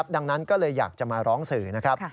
ดังนั้นก็เลยอยากจะมาร้องสื่อนะครับ